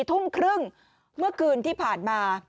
ทุ่มครึ่งเมื่อคืนที่ผ่านมา